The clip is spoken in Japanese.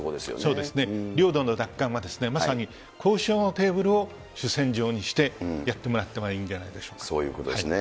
そうですね、領土の奪還は、まさに交渉のテーブルを主戦場にして、やってもらってはいいんじそういうことですね。